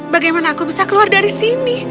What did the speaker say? bagaimana aku bisa keluar dari sini